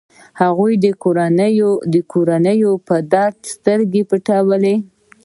هغوی د کورنيو پر درد سترګې پټولې.